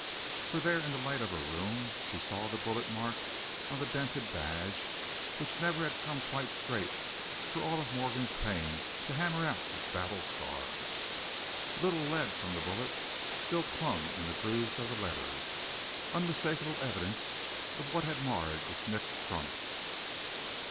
For there in the light of her room she saw the bullet mark on the dented badge, which never had come quite straight for all Morgan's pains to hammer out its battle scars. A little lead from the bullet still clung in the grooves of letters, unmistakable evidence of what had marred its nickled front.